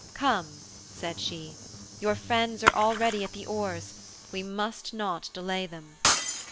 'Come,' said she, 'your friends are already at the oars. We must not delay them.'